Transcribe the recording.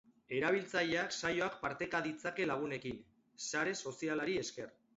Erabiltzaileak saioak parteka ditzake lagunekin, sare sozialari esker.